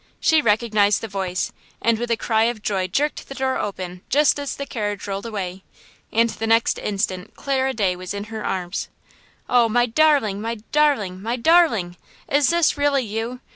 She recognized the voice, and with a cry of joy jerked the door open just as the carriage rolled away. And the next instant Clara Day was in her arms. "Oh, my darling! my darling! my darling! is this really you?